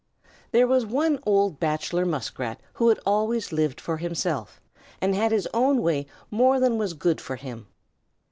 There was one old Bachelor Muskrat who had always lived for himself, and had his own way more than was good for him.